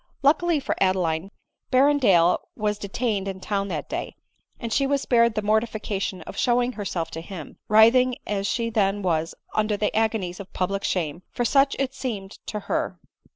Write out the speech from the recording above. Luckily for Adeline, Berrendale was detained in town that day ; and she was spared the mortification of show ing herself to him, writhiag as she then was under the agonies of public shame, for such it, seemed to her.